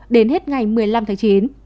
đến hết ngày một mươi năm tháng chín